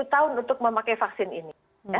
tujuh puluh tahun untuk memakai vaksin ini